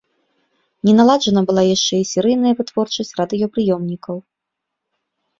Не наладжана была яшчэ і серыйная вытворчасць радыёпрыёмнікаў.